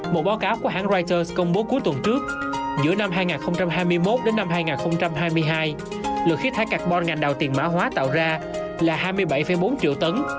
một báo cáo của hãng reuters công bố cuối tuần trước giữa năm hai nghìn hai mươi một đến năm hai nghìn hai mươi hai lượng khí thải carbon ngành đào tiền mã hóa tạo ra là hai mươi bảy bốn triệu tấn